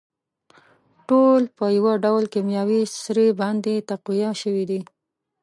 ټول په يوه ډول کيمياوي سرې باندې تقويه شوي دي.